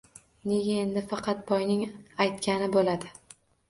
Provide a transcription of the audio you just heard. Nega endi faqat boyning aytgani bo‘ladi?